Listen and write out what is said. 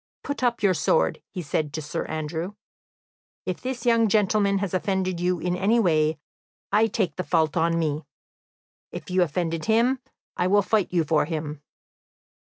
"Put up your sword," he said to Sir Andrew. "If this young gentleman has offended you in any way, I take the fault on me. If you offend him, I will fight you for him."